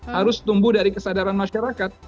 harus tumbuh dari kesadaran masyarakat